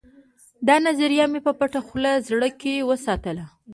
دا نظریه مې په پټه خوله زړه کې وساتله